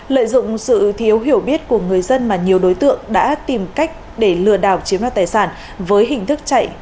lợi dụng sự thiếu hiểu biết của người dân mà nhiều đối tượng đã tìm cách để lừa đảo chiếm đoạt tài sản với hình thức chạy